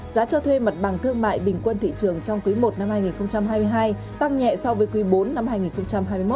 giá cho thuê mặt bằng thương mại bình quân thị trường trong quý i năm hai nghìn hai mươi hai tăng nhẹ so với quý iv năm hai nghìn hai mươi một